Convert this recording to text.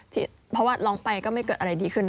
เพราะว่าร้องไปก็ไม่เกิดอะไรดีขึ้น